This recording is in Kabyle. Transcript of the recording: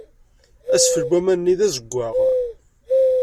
Asfel n wexxam-nni d azewwaɣ.